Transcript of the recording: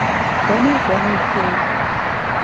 Дэнэ укӏуэну ухуей?